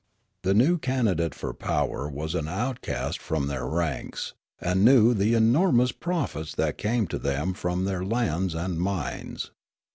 The new candidate for power was an outcast from their ranks, and knew the enormous profits that came to them from their lands and mines.